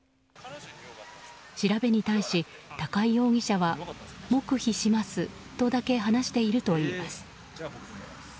調べに対し、高井容疑者は黙秘しますとだけ話しているといいます。